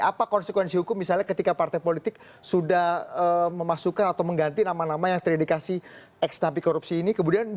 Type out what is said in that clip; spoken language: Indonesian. apa konsekuensi hukum misalnya ketika partai politik sudah memasukkan atau mengganti nama nama yang terindikasi ex napi korupsi ini